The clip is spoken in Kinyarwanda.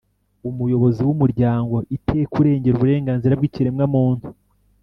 Umuyobozi w’Umuryango ‘Iteka’ urengera uburenganzira bw’ikiremwamuntu